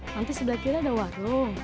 nanti sebelah kiri ada warung